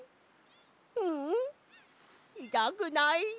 ううんいたくない。